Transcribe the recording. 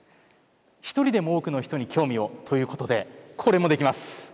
一人でも多くの人に興味をということでこれもできます。